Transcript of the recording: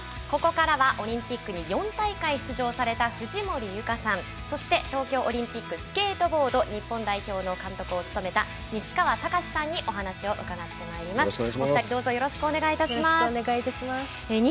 ここからは、オリンピックに４大会出場された藤森由香さんそして、東京オリンピックスケートボード日本代表の監督を務めた西川隆さんにお話を伺ってまいります。